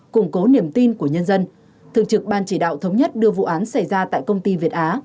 củng cố niềm tin của nhân dân thường trực ban chỉ đạo thống nhất đưa vụ án xảy ra tại công ty việt á